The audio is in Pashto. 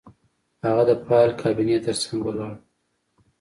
هغه د فایل کابینې ترڅنګ ولاړ و